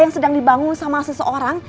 yang sedang dibangun sama seseorang